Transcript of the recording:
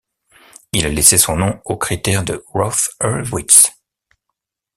Il a laissé son nom au critère de Routh-Hurwitz.